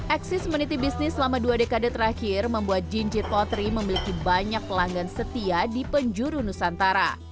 eksis meniti bisnis selama dua dekade terakhir membuat jinjit potri memiliki banyak pelanggan setia di penjuru nusantara